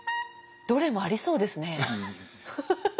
どれもありそうですね。